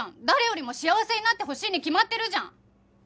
誰よりも幸せになってほしいに決まってるじゃん！